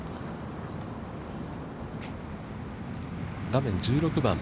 画面１６番。